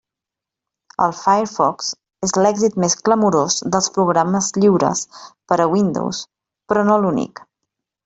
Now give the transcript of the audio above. El Firefox és l'èxit més clamorós dels programes lliures per a Windows, però no l'únic.